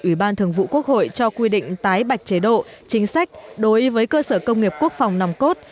ủy ban thường vụ quốc hội cho quy định tái bạch chế độ chính sách đối với cơ sở công nghiệp quốc phòng nòng cốt